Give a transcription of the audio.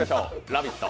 「ラヴィット！」